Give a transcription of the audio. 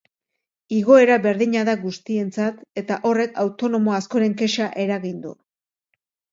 Igoera berdina da guztientzat eta horrek autonomo askoren kexa eragin du.